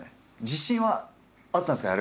自信はあったんですか？